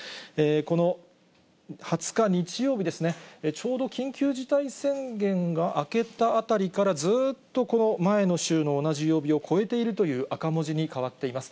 この２０日日曜日ですね、ちょうど緊急事態宣言が明けたあたりから、ずっとこの前の週の同じ曜日を超えているという赤文字に変わっています。